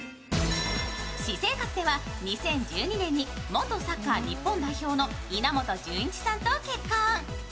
私生活では２０１２年の元サッカー日本代表の稲本潤一さんと結婚。